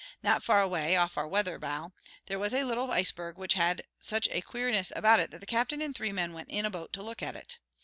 Not far away, off our weather bow, there was a little iceberg which had such a queerness about it that the captain and three men went in a boat to look at it.